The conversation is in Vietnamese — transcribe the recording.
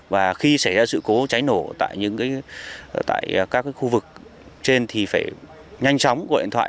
và khi xảy ra sự cố cháy nổ tại các khu vực trên thì phải nhanh chóng gọi điện thoại